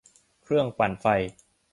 เครื่องปั่นไฟ